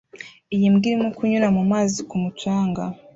Iyi mbwa irimo kunyura mu mazi ku mucanga